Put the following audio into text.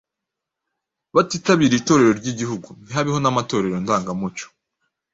batitabiriye Itorero ry’Igihugu ntihabeho n’amatorero ndangamuco.